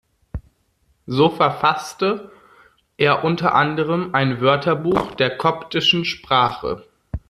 So verfasste er unter anderem ein Wörterbuch der koptischen Sprache.